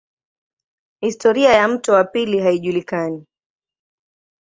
Historia ya mto wa pili haijulikani.